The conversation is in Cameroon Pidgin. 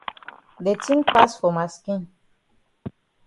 De tin pass for ma skin.